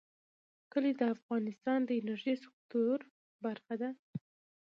کلي د افغانستان د انرژۍ سکتور برخه ده.